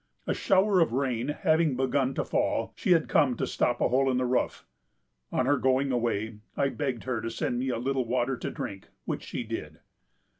A shower of rain having begun to fall, she had come to stop a hole in the roof. On her going away, I begged her to send me a little water to drink, which she did.